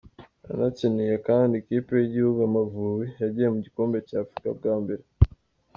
Yanakiniye kandi ikipe y’igihugu Amavubi yagiye mu gikombe cy’Afurika bwa mbere.